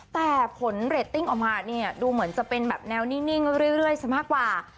แต่ผลเรตติ้งออกมาเนี่ยดูเหมือนจะเป็นแบบแนวนิ่งเรื่อยซะมากกว่า